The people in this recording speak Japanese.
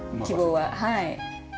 はい。